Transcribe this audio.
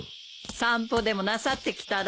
散歩でもなさってきたら？